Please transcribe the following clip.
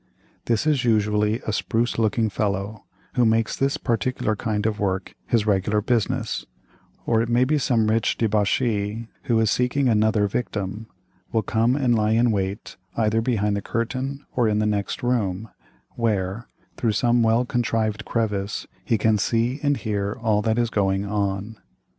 This is usually a spruce looking fellow, who makes this particular kind of work his regular business; or it may be some rich debauchee, who is seeking another victim, will come and lie in wait, either behind the curtain or in the next room, where, through some well contrived crevice, he can see and hear all that is going on.